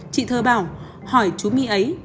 chị thơ bảo hỏi chú my ấy